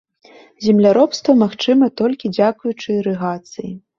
Земляробства магчыма толькі дзякуючы ірыгацыі.